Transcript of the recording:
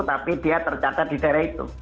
tapi dia tercatat di daerah itu